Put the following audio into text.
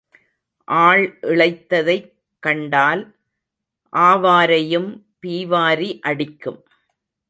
ஆள் இளைத்ததைக் கண்டால் ஆவாரையும் பீ வாரி அடிக்கும்.